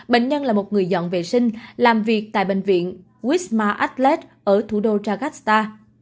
bệnh nhân là một người dọn vệ sinh làm việc tại bệnh viện wisma athlete ở thủ đô jakarta